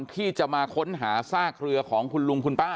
ที่จะมาค้นหาซากเรือของคุณลุงคุณป้า